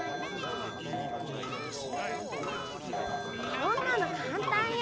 そんなのかんたんよ。